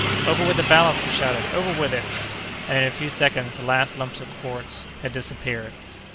"Over with the ballast!" he shouted, "over with it!" And in a few seconds the last lumps of quartz had disappeared.